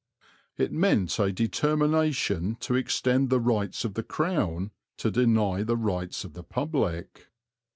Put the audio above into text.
It meant a determination to extend the rights of the Crown, to deny the rights of the public.